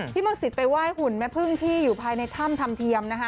พี่มนติศไปว่ายหุ่นแม่เพิ่งที่อยู่ภายในถ้ำธรรมเทียมนะคะ